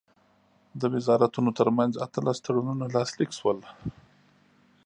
د وزارتونو ترمنځ اتلس تړونونه لاسلیک شول.